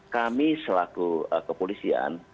kami selaku kepolisian